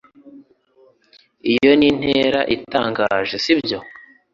Iyo ni intera itangaje, sibyo?